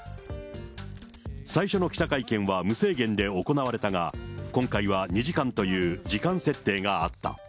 最初の記者会見は無制限で行われたが、今回は２時間という時間設定があった。